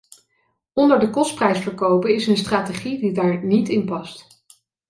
Onder de kostprijs verkopen is een strategie die daar niet in past.